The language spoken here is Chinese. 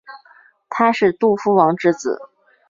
他是杜夫王之子。